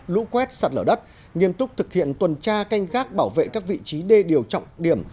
lũ quét sạt lở đất nghiêm túc thực hiện tuần tra canh gác bảo vệ các vị trí đê điều trọng điểm